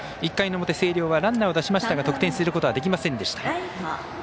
１回の表、星稜はランナーを出しましたが得点することはできませんでした。